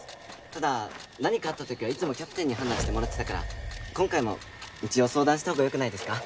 ただ何かあった時はいつもキャプテンに判断してもらってたから今回も一応相談したほうがよくないですか？